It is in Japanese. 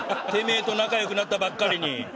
てめえと仲良くなったばっかりに。